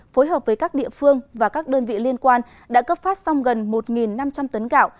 phối hợp với các địa phương và các đơn vị liên quan đã cấp phát xong gần một năm trăm linh tấn gạo